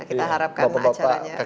kita harapkan acaranya sukses